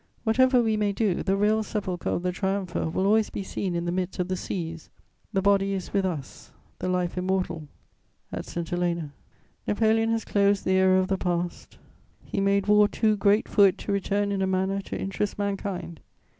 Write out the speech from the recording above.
Whatever we may do, the real sepulchre of the triumpher will always be seen in the midst of the seas: the body is with us, the life immortal at St. Helena. Napoleon has closed the era of the past: he made war too great for it to return in a manner to interest mankind.